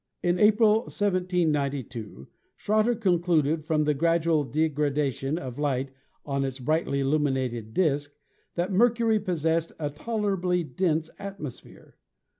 In April, 1792, Schroter concluded from the grad ual degradation of light on its brightly illuminated disk that Mercury possessed a tolerably dense atmosphere.